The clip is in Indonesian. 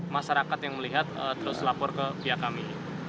masyarakat yang melihat terus lapor ke pihak kami